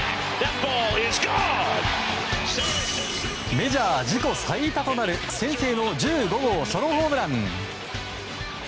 メジャー自己最多となる先制の１５号ソロホームラン！